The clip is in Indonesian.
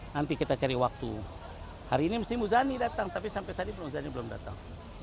nanti kita cari waktu hari ini mesti muzani datang tapi sampai tadi muzani belum datang